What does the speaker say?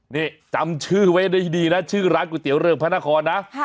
นี่จำชื่อไว้ได้ดีนะชื่อร้านก๋วเตี๋เรืองพระนครนะ